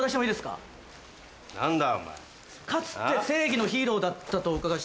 かつて正義のヒーローだったとお伺いしたんですけど。